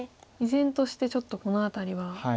依然としてちょっとこの辺りは。